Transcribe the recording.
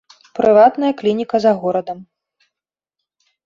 Прыватная клініка за горадам.